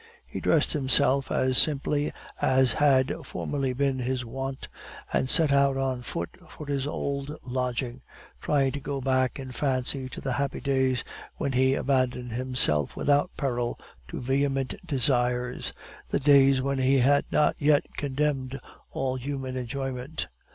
He dressed himself as simply as had formerly been his wont, and set out on foot for his old lodging, trying to go back in fancy to the happy days when he abandoned himself without peril to vehement desires, the days when he had not yet condemned all human enjoyment.